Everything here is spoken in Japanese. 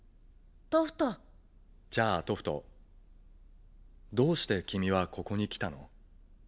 トフト。じゃあトフトどうして君はここに来たの？